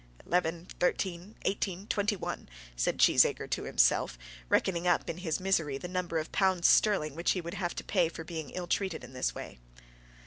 "Eleven, thirteen, eighteen, twenty one," said Cheesacre to himself, reckoning up in his misery the number of pounds sterling which he would have to pay for being ill treated in this way.